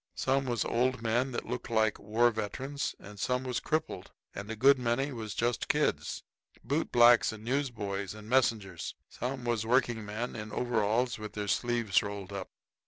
Some was old men that looked like war veterans, and some was crippled, and a good many was just kids bootblacks and newsboys and messengers. Some was working men in overalls, with their sleeves rolled up.